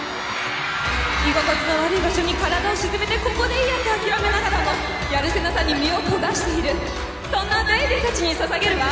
居心地の悪い場所に体を沈めてここでいいやって諦めながらもやるせなさに身を焦がしているそんなベイビーたちに捧げるわ。